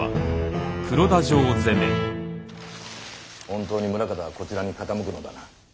本当にムラカタはこちらに傾くのだな。